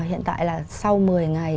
hiện tại là sau một mươi ngày